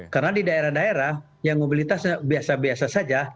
karena di daerah daerah yang mobilitasnya biasa biasa saja